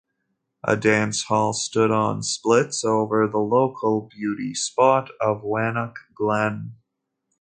A dance hall stood on stilts over the local beauty spot of Wannock Glen.